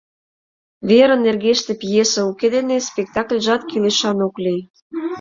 Вера нергеште пьеса уке дене спектакльжат кӱлешан ок лий.